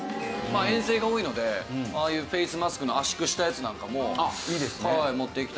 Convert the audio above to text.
遠征が多いのでああいうフェイスマスクの圧縮したやつなんかも持って行きたいなと思いましたし。